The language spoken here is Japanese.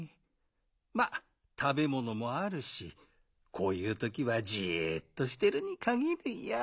まったべものもあるしこういうときはじっとしてるにかぎるよ。